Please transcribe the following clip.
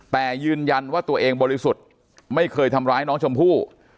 แต่ยืนยันว่าตัวเองบริสุทธิ์ไม่เคยทำร้ายน้องชมพู่